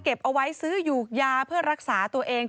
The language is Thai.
เอาไว้ซื้อหยูกยาเพื่อรักษาตัวเอง